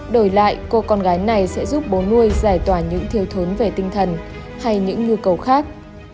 đổi lại cô con gái này sẽ giúp bố nuôi giải tỏa những thiếu thốn về tinh thần hay những nhu cầu khác